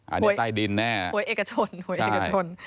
อันนี้ใต้ดินแน่หวยเอกชน